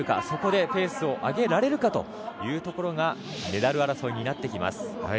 そこでペースを上げられるかというところがメダル争いになってきます。